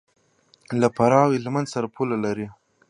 له فراه او هلمند سره پوله لري.